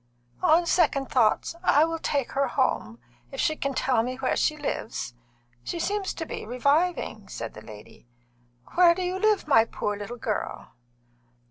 "On second thoughts, I will take her home, if she can tell me where she lives. She seems to be reviving," said the lady. "Where do you live, my poor little girl?"